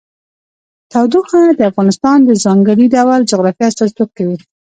تودوخه د افغانستان د ځانګړي ډول جغرافیه استازیتوب کوي.